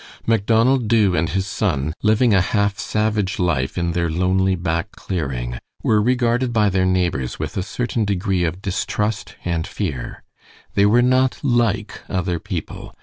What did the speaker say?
Macdonald Dubh and his son, living a half savage life in their lonely back clearing, were regarded by their neighbors with a certain degree of distrust and fear. They were not like other people.